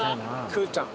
くーちゃん。